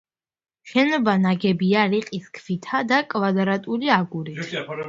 შენობა ნაგებია რიყის ქვითა და კვადრატული აგურით.